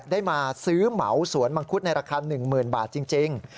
ได้มาซื้อเหมาสวนมังคุดในราคา๑๐๐๐บาทจริง